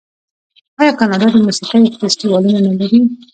آیا کاناډا د موسیقۍ فستیوالونه نلري؟